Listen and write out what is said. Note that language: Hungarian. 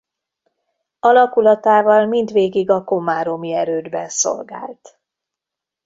Alakulatával mindvégig a komáromi erődben szolgált.